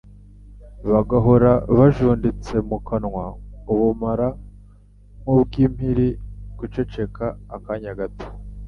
bagahora bajunditse mu kanwa ubumara nk’ubw’impiri guceceka akanya gato